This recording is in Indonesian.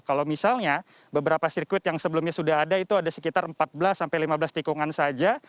kalau misalnya beberapa sirkuit yang sebelumnya sudah ada itu ada sekitar empat belas sampai lima belas tikungan saja